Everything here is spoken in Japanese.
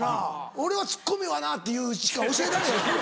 俺は「ツッコミはな」っていうしか教えられへん。